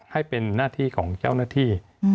ให้เป็นหน้าที่ของเจ้าหน้าที่